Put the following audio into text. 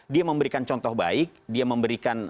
dia memberikan contoh baik dia memberikan